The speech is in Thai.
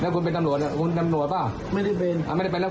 ครับ